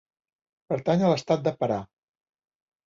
Pertany a l'estat de Pará.